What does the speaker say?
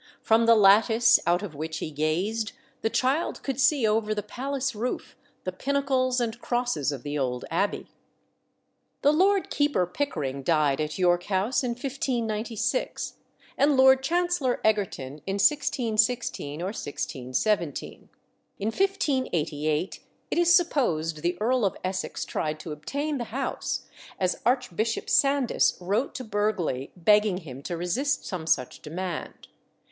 From the lattice out of which he gazed, the child could see over the palace roof the pinnacles and crosses of the old abbey." The Lord Keeper Pickering died at York House in 1596, and Lord Chancellor Egerton in 1616 or 1617. In 1588 it is supposed the Earl of Essex tried to obtain the house, as Archbishop Sandys wrote to Burghley begging him to resist some such demand.